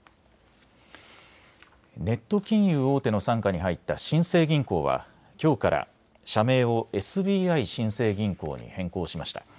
ネット金融大手の傘下に入った新生銀行はきょうから社名をＳＢＩ新生銀行に変更しました。